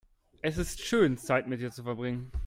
Es ist schön, Zeit mit dir zu verbringen.